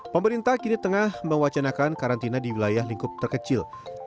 pemerintah kini tengah mewacanakan karantina di wilayah lingkup terkecil